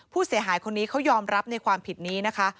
ผู้เสียหายคนนี้เขายอมรับในความผิดนี้นะคะ